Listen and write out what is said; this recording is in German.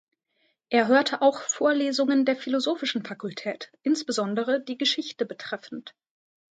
Er hörte auch Vorlesungen der philosophischen Fakultät, insbesondere die Geschichte betreffend.